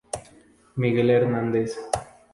Miguel Hernández.